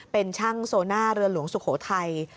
เป็นช่างโซน่าเรือหลวงสุโขทัย